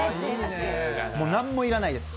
もう何も要らないです。